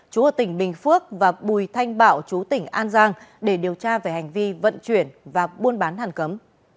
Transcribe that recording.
chú ở tỉnh bình phước và bùi thanh bảo chú tỉnh an giang để điều tra về hành vi vận chuyển và buôn bán hàn cấm